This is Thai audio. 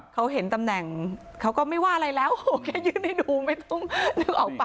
เขาเห็นตำแหน่งเขาก็ไม่ว่าอะไรแล้วแค่ยื่นให้ดูไม่ต้องนึกออกป่